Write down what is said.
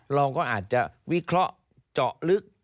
เราก็อาจจะวิเคราะห์เจาะลึก